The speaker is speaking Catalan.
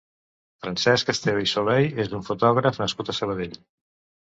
Francesc Esteve i Soley és un fotògraf nascut a Sabadell.